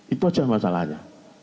itu saja masalahnya